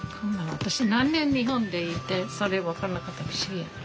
私何年日本でいてそれ分からなかったの不思議。